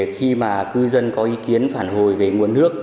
khi mà cư dân có ý kiến phản hồi về nguồn nước